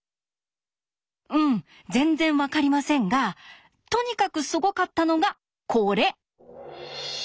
うん全然分かりませんがとにかくすごかったのがこれ。